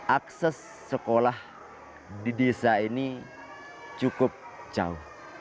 akses sekolah di desa ini cukup jauh